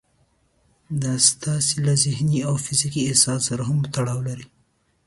دا ستاسې له ذهني او فزيکي احساس سره هم تړاو لري.